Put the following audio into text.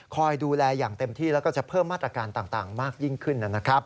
คอยดูแลอย่างเต็มที่แล้วก็จะเพิ่มมาตรการต่างมากยิ่งขึ้นนะครับ